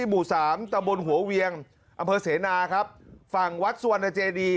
หมู่สามตะบนหัวเวียงอำเภอเสนาครับฝั่งวัดสุวรรณเจดี